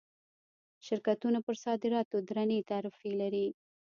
شرکتونه پر صادراتو درنې تعرفې لري.